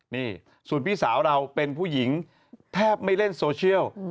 นี่ส่วนพี่สาวเราเป็นผู้หญิงแทบไม่เล่นโซเชียล